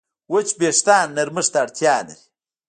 وچ وېښتيان نرمښت ته اړتیا لري.